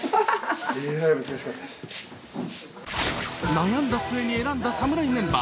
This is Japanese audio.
悩んだ末に選んだ侍メンバー。